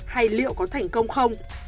hay liệu có thành công không